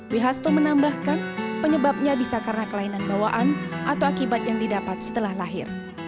wihasto menambahkan penyebabnya bisa karena kelainan bawaan atau akibat yang didapat setelah lahir